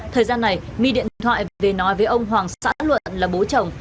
thời gian này my điện thoại và về nói với ông hoàng xã luận là bố chồng